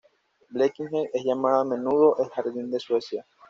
Blekinge es llamada a menudo "el jardín de Suecia".